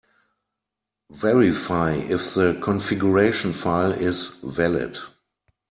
Verify if the configuration file is valid.